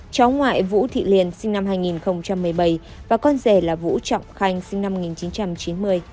cháu ngoại vũ thị liền sinh năm hai nghìn một mươi bảy và con rể là vũ trọng khanh sinh năm một nghìn chín trăm chín mươi